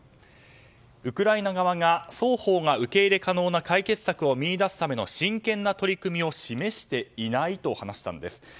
ウクライナ側が双方が受け入れ可能な解決策を見いだすための真剣な取り組みを示していないと話したんです。